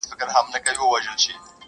ټیک راسره وژړل پېزوان راسره وژړل؛